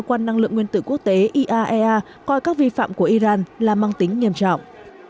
quan năng lượng nguyên tử quốc tế iaea coi các vi phạm của iran là mang tính nghiêm trọng